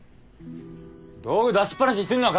道具出しっぱなしにすんな！